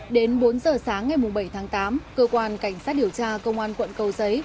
đến bốn giờ sáng ngày bảy tháng tám cơ quan cảnh sát điều tra công an quận cầu giấy